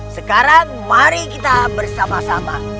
sekarang mari kita bersama sama